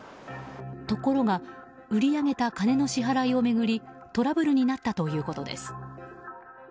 ところが売り上げた金の支払いを巡りトラブルになったということです。